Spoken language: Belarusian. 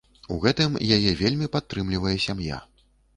У гэтым яе вельмі падтрымлівае сям'я.